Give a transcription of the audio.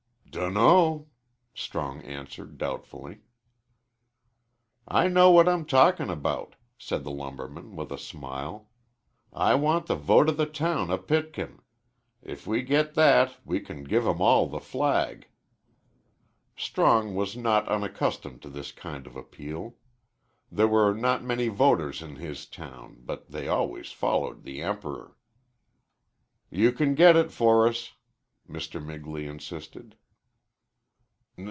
"Dunno," Strong answered, doubtfully. "I know what I'm talking about," said the lumberman, with a smile. "I want the vote o' the town o' Pitkin. If we get that we can give 'em all the flag." Strong was not unaccustomed to this kind of appeal. There were not many voters in his town, but they always followed the Emperor. "You can get it for us," Mr. Migley insisted.